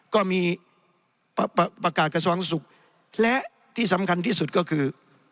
ก็มีประกาศกระทรวงศุกร์และที่สำคัญที่สุดก็คือ